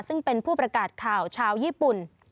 ซึ่งเป็นผู้ประกาศข่าวชาวญี่ปุ่น